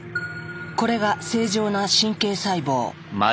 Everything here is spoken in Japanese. これが正常な神経細胞。